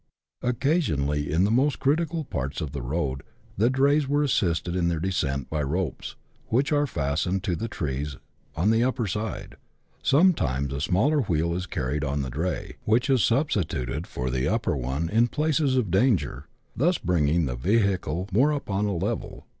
Occasionally, in the most critical parts of the road, the drays are assisted in their descent by ropes, which are fastened to the trees on the upper side ; sometimes a smaller wheel is carried on the dray, which is substituted for the upper one in places of danger, thus bringing the vehicle more upon a level.